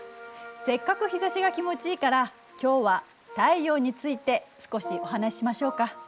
せっかく日ざしが気持ちいいから今日は太陽について少しお話ししましょうか。